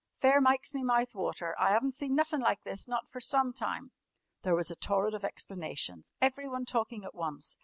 Fair mikes me mouth water. I 'aven't seen nuffin' like this not fer some time!" There was a torrent of explanations, everyone talking at once.